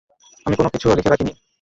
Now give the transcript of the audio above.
আমি কোনকিছুও লিখে রাখি নি।